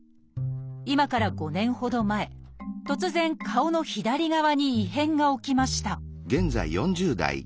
今から５年ほど前突然顔の左側に異変が起きました